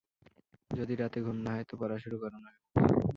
যদি রাতে ঘুম না হয়, তো পড়া শুরু করো না কেন?